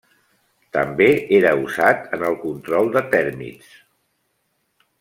També era usat en el control de tèrmits.